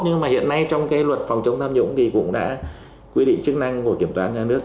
nhưng mà hiện nay trong cái luật phòng chống tham nhũng thì cũng đã quy định chức năng của kiểm toán nhà nước